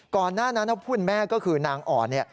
ก่อนหน้านั้นถ้าพูดแม่ก็คือนางอ่อน